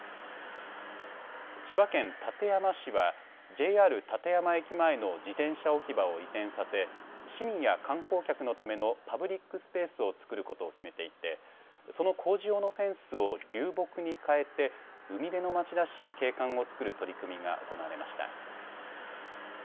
千葉県館山市はＪＲ館山駅前の自転車置き場を移転させ市民や観光客のためのパブリックスペースを作ることを決めていてその工事用のフェンスを流木にかえて海辺の町らしい景観を作る取り組みが行われました。